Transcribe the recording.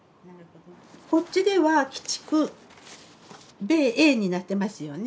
こっちでは「鬼畜米英」になってますよね。